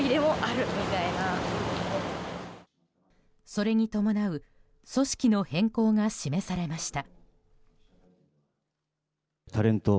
それに伴う組織の変更が示されました。